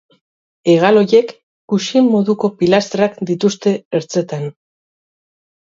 Hegal horiek kuxin moduko pilastrak dituzte ertzetan.